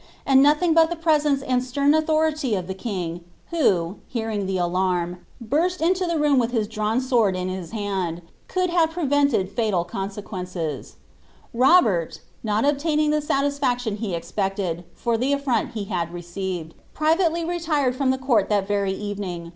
ari'I noiliing but the presence aoil stern authorJly of ihc king, who, heBrtni; ihc BiBim. burst into the loom wilh his Jrawn swunl in hiii hnnil, rouli' Iinve prevcntcil Tatal consequences.' Robert, not obtaining the attisraMion he expected, for the afTroiit hr had received, privaicly retired from ihe conn thai Tery evening.